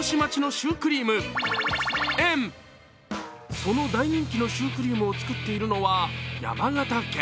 その大人気のシュークリームを作っているのは山形県。